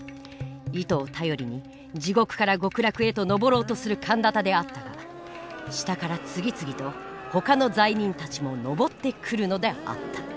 糸を頼りに地獄から極楽へと登ろうとする陀多であったが下から次々とほかの罪人たちも登ってくるのであった。